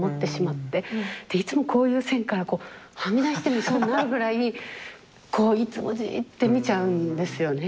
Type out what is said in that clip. でいつもこういう線からこうはみ出して見そうになるぐらいこういつもジーッて見ちゃうんですよね。